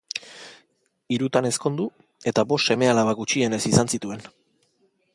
Hirutan ezkondu eta bost seme-alaba, gutxienez, izan zituen.